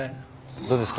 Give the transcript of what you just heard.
どうですか？